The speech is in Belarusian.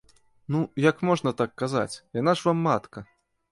Ну, як можна так казаць, яна ж вам матка.